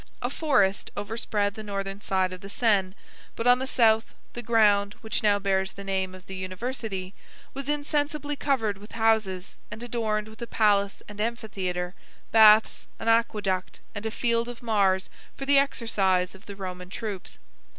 A forest overspread the northern side of the Seine, but on the south, the ground, which now bears the name of the University, was insensibly covered with houses, and adorned with a palace and amphitheatre, baths, an aqueduct, and a field of Mars for the exercise of the Roman troops.